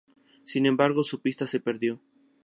Sin embargo su pista se perdió.